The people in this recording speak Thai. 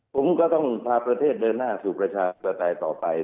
ผมก็ต้องพาประเทศเดินหน้าสู่ประชาธิปไตยต่อไป